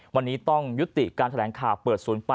วันนี้ต้องยุติการแถลงข่าวเปิด๐๘